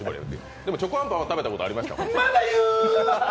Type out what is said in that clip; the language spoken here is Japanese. でもチョコあんぱんは食べたことがありました。